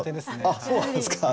あっそうなんですか。